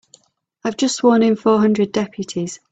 I've just sworn in four hundred deputies.